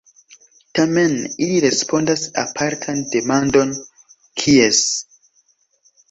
Tamen ili respondas apartan demandon: "kies?